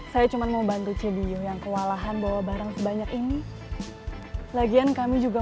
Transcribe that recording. saya cuman mau bantu cibiyu yang kewalahan bawa barang sebanyak ini lagian kami juga